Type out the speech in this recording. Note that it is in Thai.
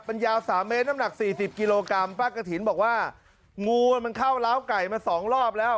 มันยาว๓เมตรน้ำหนักสี่สิบกิโลกรัมป้ากระถิ่นบอกว่างูมันเข้าล้าวไก่มาสองรอบแล้ว